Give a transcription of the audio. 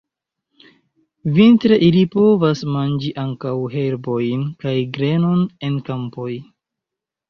Vintre ili povas manĝi ankaŭ herbojn kaj grenon en kampoj.